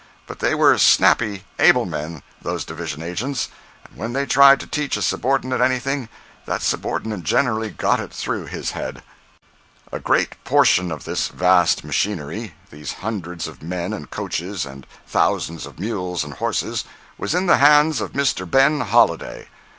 But they were snappy, able men, those division agents, and when they tried to teach a subordinate anything, that subordinate generally "got it through his head." 057.jpg (53K) A great portion of this vast machinery—these hundreds of men and coaches, and thousands of mules and horses—was in the hands of Mr. Ben Holliday.